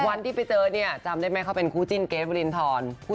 วันที่ไปเจอเนี่ยจำได้ไหมเขาเป็นคู่จิ้นเกรทวรินทร